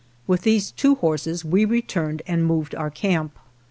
With these two horses we returned and moved our camp.